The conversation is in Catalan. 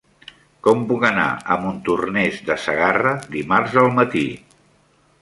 Com puc anar a Montornès de Segarra dimarts al matí?